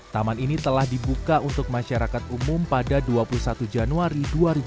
taman ini telah dibuka untuk masyarakat umum pada dua puluh satu januari dua ribu dua puluh